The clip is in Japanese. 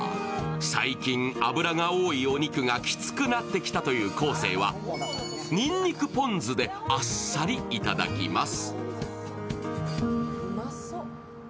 最近、脂が多いお肉がきつくなってきたという昴生は、にんにくポン酢であっさりいただきます。